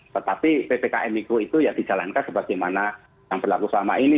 tetapi ppkm mikro itu ya dijalankan sebagaimana yang berlaku selama ini